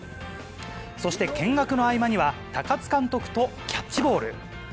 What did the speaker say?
そして見学の合間には、高津監督とキャッチボール。